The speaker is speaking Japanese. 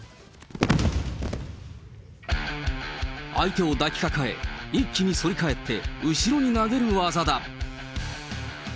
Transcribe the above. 相手を抱きかかえ、一気に反り返って後ろに投げる技だ。